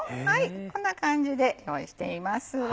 こんな感じで今日はしています。